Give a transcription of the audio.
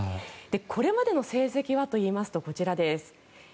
これまでの戦績はといいますとこちらです。